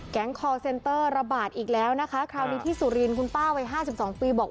คอร์เซ็นเตอร์ระบาดอีกแล้วนะคะคราวนี้ที่สุรินทร์คุณป้าวัยห้าสิบสองปีบอก